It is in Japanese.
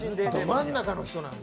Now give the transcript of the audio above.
ど真ん中の人なんだ。